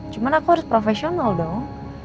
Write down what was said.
cuma aku harus profesional dong